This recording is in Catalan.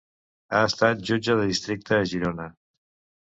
Ha estat jutge de districte a Girona.